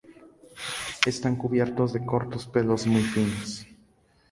Están cubiertos de cortos pelos muy finos.